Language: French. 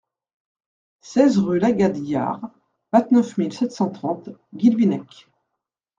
seize rue Lagad Yar, vingt-neuf mille sept cent trente Guilvinec